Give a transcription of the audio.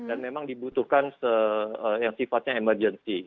dan memang dibutuhkan yang sifatnya emergency